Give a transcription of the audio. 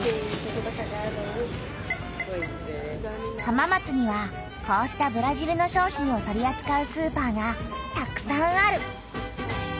浜松にはこうしたブラジルの商品を取りあつかうスーパーがたくさんある！